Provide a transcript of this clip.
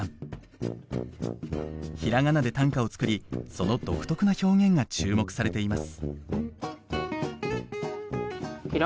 ひらがなで短歌を作りその独特な表現が注目されています。